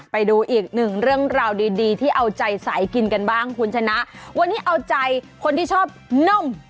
ไปดูอีกหนึ่งเรื่องราวดีดีที่เอาใจสายกินกันบ้างคุณชนะวันนี้เอาใจคนที่ชอบนุ่ม